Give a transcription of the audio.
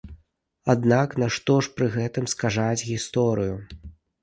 Аднак нашто ж пры гэтым скажаць гісторыю?